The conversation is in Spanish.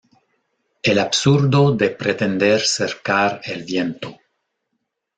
el absurdo de pretender cercar el viento